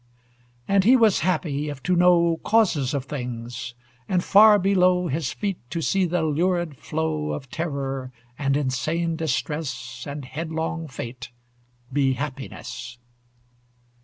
And he was happy, if to know Causes of things, and far below His feet to see the lurid flow Of terror, and insane distress, And headlong fate, be happiness.